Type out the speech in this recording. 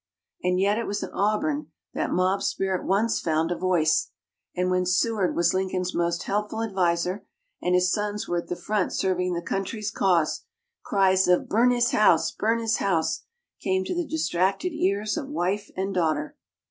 And yet it was in Auburn that mob spirit once found a voice; and when Seward was Lincoln's most helpful adviser, and his sons were at the front serving the country's cause, cries of "Burn his house! Burn his house!" came to the distracted ears of wife and daughter.